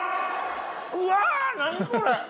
うわ何これ！